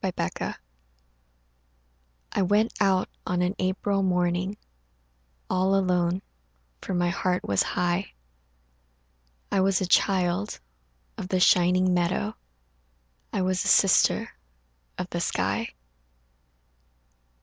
MORNING I WENT out on an April morning All alone, for my heart was high, I was a child of the shining meadow, I was a sister of the sky.